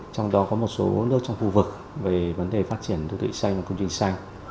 trong đó có một số nước trong khu vực về vấn đề phát triển đô thị xanh và công trình xanh